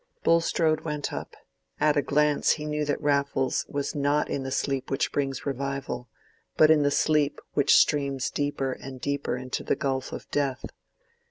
Bulstrode went up. At a glance he knew that Raffles was not in the sleep which brings revival, but in the sleep which streams deeper and deeper into the gulf of death.